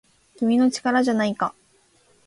君の力じゃないか